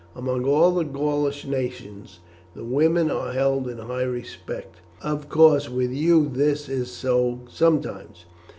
Among all the Gaulish nations the women are held in high respect. Of course with you this is so sometimes.